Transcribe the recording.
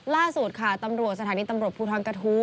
ล่าสุดค่ะตำรวจสถานีตำรวจภูทรกระทู้